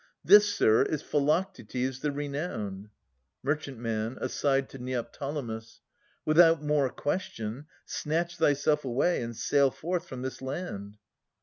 This, sir, is Philoctetes the re nowned. Mer. {aside to Neoptolemus). Without more question, snatch thyself away And sail forth from this land.